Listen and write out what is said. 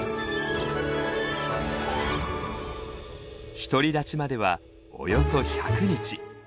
独り立ちまではおよそ１００日。